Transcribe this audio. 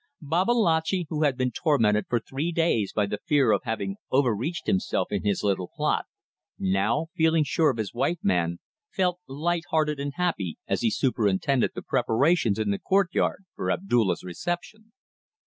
Babalatchi, who had been tormented for three days by the fear of having over reached himself in his little plot, now, feeling sure of his white man, felt lighthearted and happy as he superintended the preparations in the courtyard for Abdulla's reception.